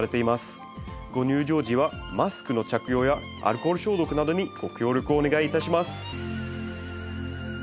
ご入場時はマスクの着用やアルコール消毒などにご協力をお願いいたします